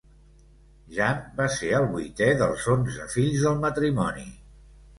Jan va ser el vuitè dels onze fills del matrimoni.